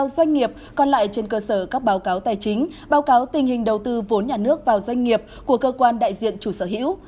doanh nghiệp còn lại trên cơ sở các báo cáo tài chính báo cáo tình hình đầu tư vốn nhà nước vào doanh nghiệp của cơ quan đại diện chủ sở hữu